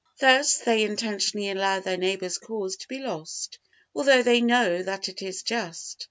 Thus they intentionally allow their neighbor's cause to be lost, although they know that it is just.